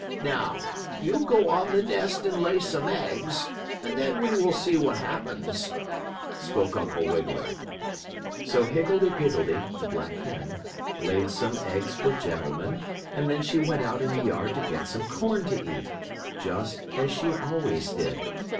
Now, you go on the nest and lay some eggs and then we will see what happens," spoke Uncle Wiggily. So Higgledee Piggledee, the black hen, laid some eggs for gentlemen, and then she went out in the yard to get some corn to eat, just as she always did.